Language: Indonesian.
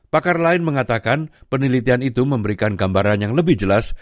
pakar lain mengatakan penelitian itu memberikan gambaran yang lebih jelas